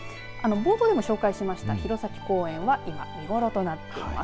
冒頭でも紹介しました弘前公園は今見頃となっています。